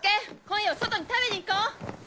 今夜は外に食べに行こう！